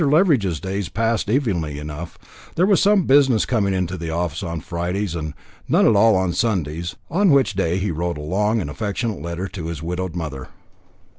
Leveridge's days passed evenly enough; there was some business coming into the office on Fridays, and none at all on Sundays, on which day he wrote a long and affectionate letter to his widowed mother.